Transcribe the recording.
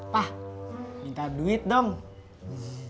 pak minta duit dong